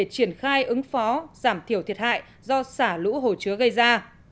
triển khai ứng phó giảm thiểu thiệt hại do xả lũ hồ chứa gây ra